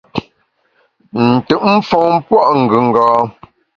Ntùt mfon pua’ ngùnga.